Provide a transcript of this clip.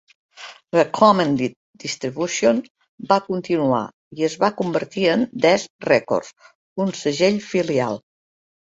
Recommended Distribution va continuar i es va convertir en These Records, un segell filial.